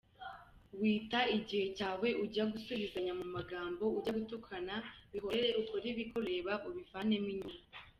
Wita igihe cyawe ujya gusubizanya mu magambo, ujya gutukana, bihorere, ukore ibikureba, ubivanemo inyungu.